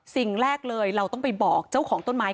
สิ่งแรกเลยเราต้องไปบอกเจ้าของต้นไม้